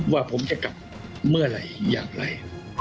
ว่าผมจะกลับเมื่อไหร่อย่างไร